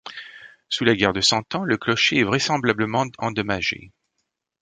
Sous la guerre de Cent Ans, le clocher est vraisemblablement endommagé.